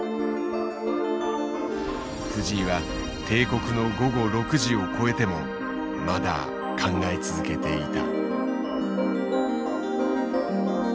藤井は定刻の午後６時を越えてもまだ考え続けていた。